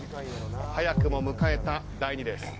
早くも迎えた第２レース。